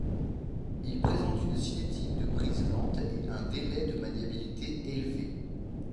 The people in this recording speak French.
Il présente une cinétique de prise lente et un délai de maniabilité élevé.